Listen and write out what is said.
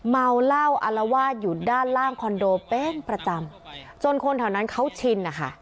เมาเหล้าอารวาสอยู่ด้านล่างคอนโดเป็นประจำจนคนแถวนั้นเขาชินนะคะ